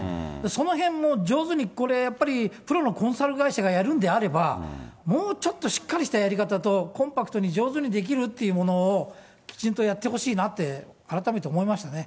そのへんも上手にこれやっぱり、プロのコンサル会社がやるんであれば、もうちょっとしっかりしたやり方と、コンパクトに上手にできるっていうものを、きちんとやってほしいなと改めて思いましたね。